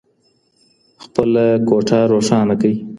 خپله کوټه روښانه کړئ.